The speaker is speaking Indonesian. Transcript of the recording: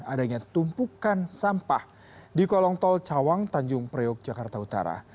adanya tumpukan sampah di kolong tol cawang tanjung priok jakarta utara